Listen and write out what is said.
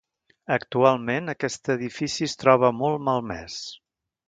Actualment, aquest edifici es troba molt malmès.